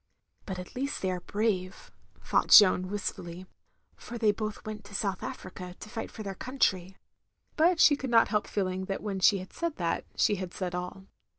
" But at least they are brave, " thought Jeanne, wistfully, "for they both went to South Africa to fight for their country, " but she cotild not help 292 THE LONELY LADY feeling that when she had said that, she had said all.